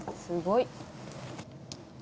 すごい。